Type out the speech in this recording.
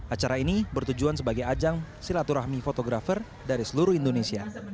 acara ini bertujuan sebagai ajang silaturahmi fotografer dari seluruh indonesia